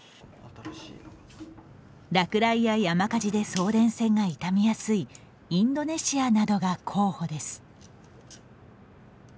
落雷や山火事で送電線が傷みやすいインドネシアなどが候補です。